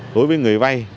đối với người vay